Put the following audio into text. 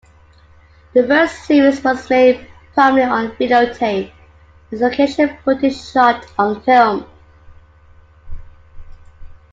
The first series was made primarily on videotape, with location footage shot on film.